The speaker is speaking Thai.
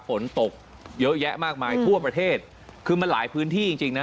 ฝนตกเยอะแยะมากมายทั่วประเทศคือมันหลายพื้นที่จริงจริงนะ